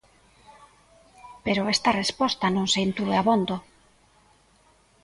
Pero esta resposta non se intúe abondo.